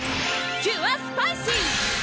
キュアスパイシー！